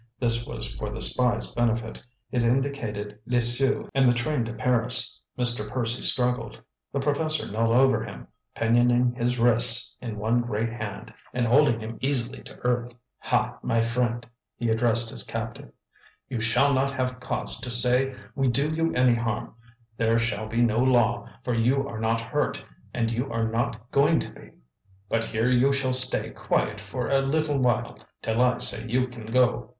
This was for the spy's benefit; it indicated Lisieux and the train to Paris. Mr. Percy struggled; the professor knelt over him, pinioning his wrists in one great hand, and holding him easily to earth. "Ha! my friend " he addressed his captive "you shall not have cause to say we do you any harm; there shall be no law, for you are not hurt, and you are not going to be. But here you shall stay quiet for a little while till I say you can go."